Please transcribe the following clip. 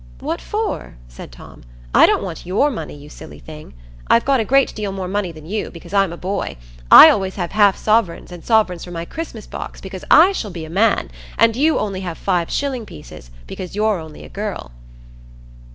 "What for?" said Tom. "I don't want your money, you silly thing. I've got a great deal more money than you, because I'm a boy. I always have half sovereigns and sovereigns for my Christmas boxes because I shall be a man, and you only have five shilling pieces, because you're only a girl."